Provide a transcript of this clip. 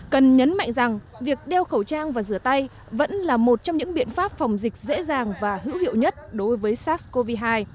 cần nhấn mạnh rằng việc đeo khẩu trang và rửa tay vẫn là một trong những biện pháp phòng dịch dễ dàng và hữu hiệu nhất đối với sars cov hai